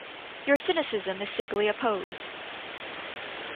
Your cynicism is simply a pose.